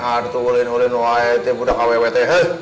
artu wulin wulin wahid budak kwwt